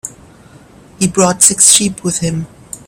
He brought six sheep with him.